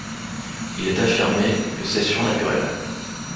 Il est affirmé que c'est surnaturel.